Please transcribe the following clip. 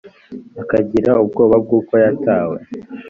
akagira ubwoba bw uko yatawe